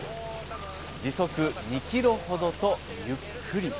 時速２ｋｍほどとゆっくり。